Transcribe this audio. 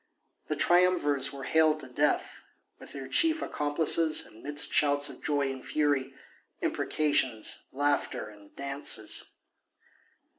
The triumvirs were haled to death, with their chief accomplices, amidst shouts of joy and fury, imprecations, laughter and dances.